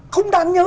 không đang nhớ